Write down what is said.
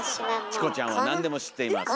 チコちゃんは何でも知っています。